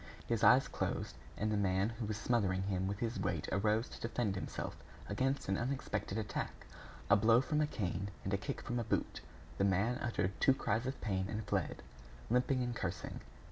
His eyes closed, and the man who was smothering him with his weight arose to defend himself against an unexpected attack. A blow from a cane and a kick from a boot; the man uttered two cries of pain, and fled, limping and cursing.